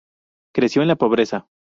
Creció en la pobreza.